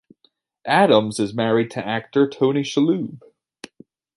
Adams is married to actor Tony Shalhoub.